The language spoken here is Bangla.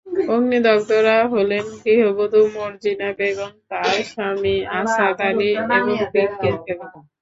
অগ্নিদগ্ধরা হলেন গৃহবধূ মোর্জিনা বেগম, তাঁর স্বামী আসাদ আলী এবং বিলকিস বেগম।